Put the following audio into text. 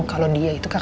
kamu tidak terus terang